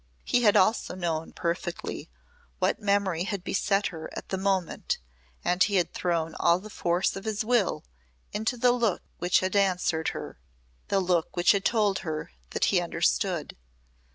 He had also known perfectly what memory had beset her at the moment and he had thrown all the force of his will into the look which had answered her the look which had told her that he understood.